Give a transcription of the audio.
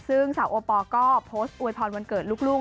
ซึ่งสาวโอปอลก็โพสต์อวยพรวันเกิดลูก